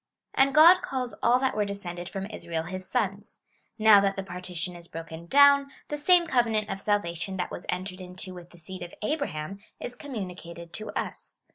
And God calls all that were descended from Israel his sons : now that the partition is broken down, the same covenant of salvation that was entered into with the seed of Abra ham '^ is communicated to us.